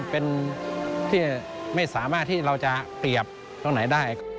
เป็นที่ไม่สามารถที่เราจะเปรียบตรงไหนได้